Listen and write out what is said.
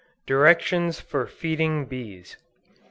DIRECTIONS FOR FEEDING BEES.